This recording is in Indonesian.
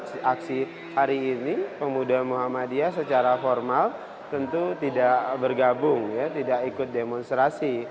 aksi hari ini pemuda muhammadiyah secara formal tentu tidak bergabung ya tidak ikut demonstrasi